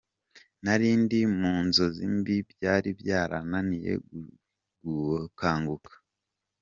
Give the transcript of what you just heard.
Nari ndi mu nzozi mbi byari byarananiye gukanguka.